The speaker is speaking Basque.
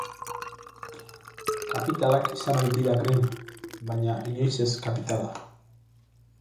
Kapitalak izan ohi dira green, baina inoiz ez kapitala.